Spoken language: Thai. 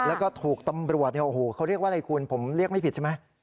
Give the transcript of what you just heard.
แล้วภูเขาเรียกว่าอะไรคุณผมเรียกไม่ผิดใช่ไหม